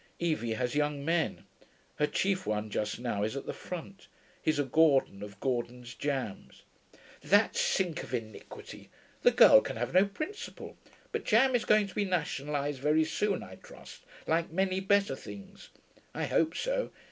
Evie has young men. Her chief one just now is at the front; he's a Gordon, of Gordon's jams.' 'That sink of iniquity! The girl can have no principle. But jam is going to be nationalised very soon, I trust, like many better things. I hope so.